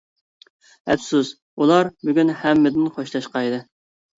ئەپسۇس ئۇلار بۈگۈن ھەممىدىن خوشلاشقان ئىدى.